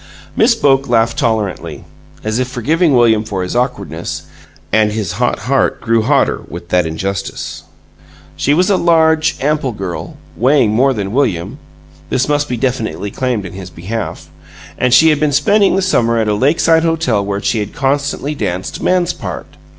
Miss Boke laughed tolerantly, as if forgiving William for his awkwardness, and his hot heart grew hotter with that injustice. She was a large, ample girl, weighing more than William (this must be definitely claimed in his behalf), and she had been spending the summer at a lakeside hotel where she had constantly danced "man's part."